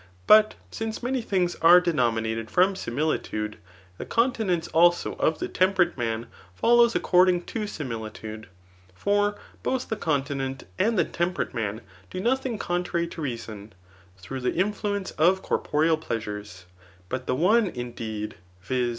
But since many things are denominated from similitude, the continence also of the temperate man follows acomi* ing to similitude. For both the continent and the tem perate man, do nothing contrary to reason, through the influence of corporeal pleasures ; but the one, indeed, [viz.